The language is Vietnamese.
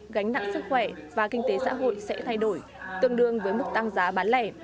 gánh nặng sức khỏe và kinh tế xã hội sẽ thay đổi tương đương với mức tăng giá bán lẻ